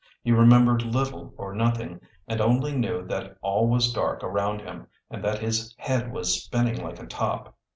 He remembered little or nothing, and only knew that all was dark around him, and that his head was spinning like a top.